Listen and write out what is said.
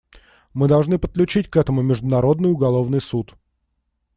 Мы должны подключить к этому Международный уголовный суд.